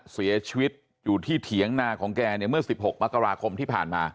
เสียชีวิตอยู่ที่เถียงนาของแกเนี่ยเมื่อ๑๖มกราคมที่ผ่านมา